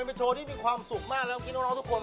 เป็นไงพี่ฟ้อง